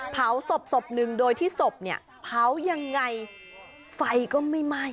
เผาศพหนึ่งโดยที่ศพเผายังไงไฟก็ไม่ไหม